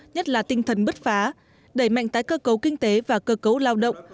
nhất là tinh thần bứt phá đẩy mạnh tái cơ cấu kinh tế và cơ cấu lao động